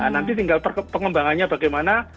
nanti tinggal pengembangannya bagaimana